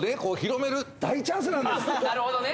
なるほどね！